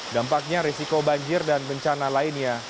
dampaknya risiko banjir dan bencana lainnya